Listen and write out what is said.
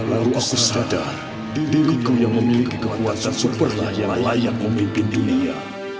lalu aku sadar diriku yang memiliki kekuatan superlah yang layak memimpin dunia